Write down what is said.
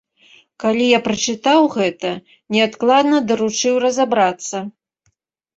Калі я прачытаў гэта, неадкладна даручыў разабрацца.